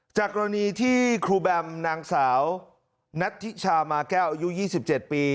กรณีที่ครูแบมนางสาวนัทธิชามาแก้วอายุ๒๗ปี